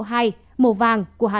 màu vàng của hà nội